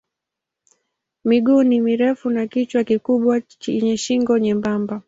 Miguu ni mirefu na kichwa kikubwa chenye shingo nyembamba.